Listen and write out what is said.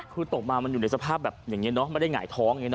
คือตกมามันอยู่ในสภาพแบบอย่างนี้เนอะไม่ได้หงายท้องอย่างนี้